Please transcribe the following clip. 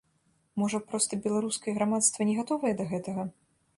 Можа, проста беларускае грамадства не гатовае да гэтага?